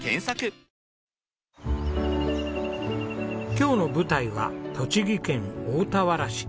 今日の舞台は栃木県大田原市。